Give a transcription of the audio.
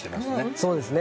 そうですね。